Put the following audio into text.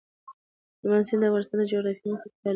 هلمند سیند د افغانستان د جغرافیایي موقیعت پایله ده.